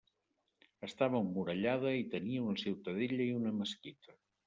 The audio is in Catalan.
Estava emmurallada, i tenia una ciutadella i una mesquita.